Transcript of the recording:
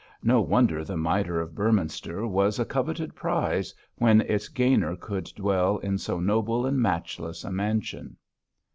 No wonder the mitre of Beorminster was a coveted prize, when its gainer could dwell in so noble and matchless a mansion.